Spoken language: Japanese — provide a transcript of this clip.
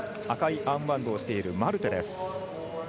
赤いアームバンドをしているマルテです。